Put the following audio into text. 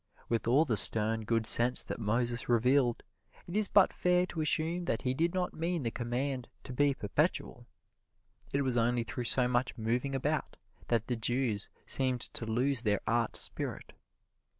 With all the stern good sense that Moses revealed, it is but fair to assume that he did not mean the command to be perpetual. It was only through so much moving about that the Jews seemed to lose their art spirit.